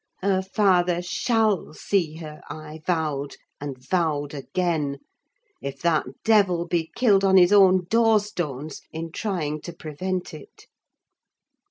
Her father shall see her, I vowed, and vowed again, if that devil be killed on his own door stones in trying to prevent it!